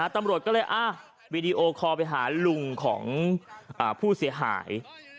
ตำรวจก็เลยวีดีโอคอลไปหาลุงของผู้เสียหาย